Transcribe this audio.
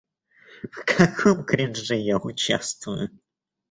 В каком кринже я участвую...